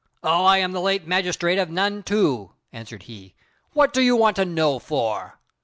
"Oh, I am the late magistrate at Nan tu," answered he; "what do you want to know for?"